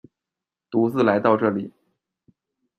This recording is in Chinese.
独自来到这里